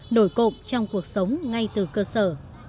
đổi cộng trong cuộc sống ngay từ cơ sở